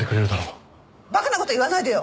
馬鹿な事言わないでよ！